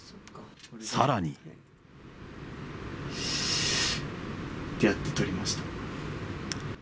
さらに。ってやってとりました。